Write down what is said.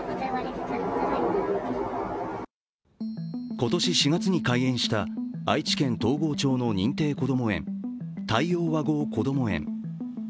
今年４月に開園した愛知県東郷町の認定こども園太陽わごうこども園。